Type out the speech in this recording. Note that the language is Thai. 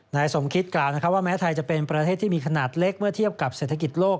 นายสมคิตกล่าวว่าแม้ไทยจะเป็นประเทศที่มีขนาดเล็กเมื่อเทียบกับเศรษฐกิจโลก